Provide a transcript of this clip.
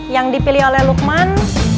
yang dipilih oleh lukman